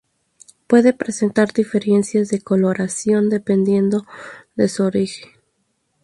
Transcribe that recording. Puede presentar diferencias de coloración dependiendo de su origen.